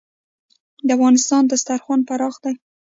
د افغانستان دسترخان پراخ دی